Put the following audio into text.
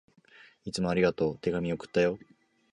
いつもありがとう。手紙、送ったよ。